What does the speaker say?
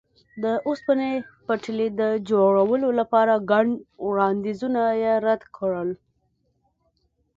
د اوسپنې پټلۍ د جوړولو لپاره ګڼ وړاندیزونه یې رد کړل.